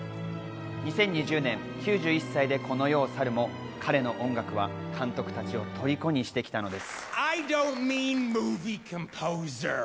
２０２０年、９１歳でこの世を去るも、彼の音楽は監督たちを虜にしてきたのです。